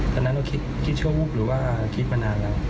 ตอนนั้นเราคิดชั่ววูบหรือว่าคิดมานานแล้ว